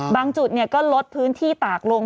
จุดก็ลดพื้นที่ตากลง